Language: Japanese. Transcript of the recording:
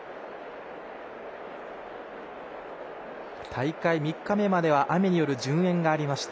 大会３日目までは雨による順延がありました